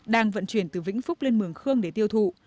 đang vận chuyển từ vĩnh phúc lên mường khương để tiêu thụ